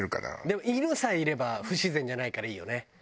でも犬さえいれば不自然じゃないからいいよね。